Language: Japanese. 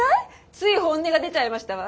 つい本音が出ちゃいましたわ。